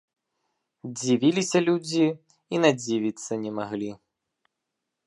Дзівіліся людзі і надзівіцца не маглі.